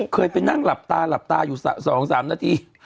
เคยไปนั่งหลับตาหลับตาอยู่๒๓นาที